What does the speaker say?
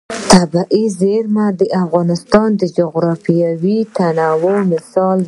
طبیعي زیرمې د افغانستان د جغرافیوي تنوع مثال دی.